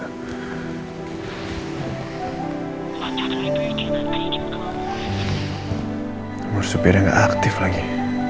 amor supirnya gak aktif lagi